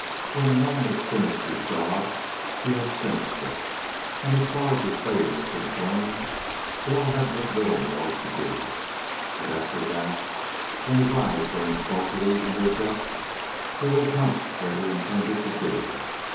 When a man has finished his job, he has finished it. And as far as the Trade was concerned, Bell had but little more to do. But after that and his eyes burned smokily in their depths there was much that he intended to do.